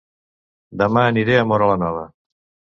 Dema aniré a Móra la Nova